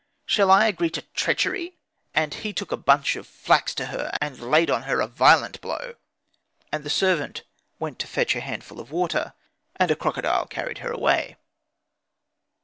Shall I agree to treachery?" And he took a bunch of the flax to her, and laid on her a violent blow. And the servant went to fetch a handful of water, and a crocodile carried her away.